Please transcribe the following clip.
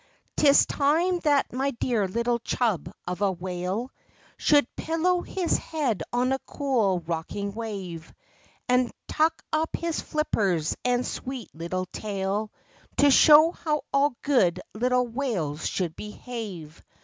Tis time that my dear little chub of a whale Should pillow his head on a cool rocking wave, And tuck up his flippers and sweet little tail To show how all good little whales should behave.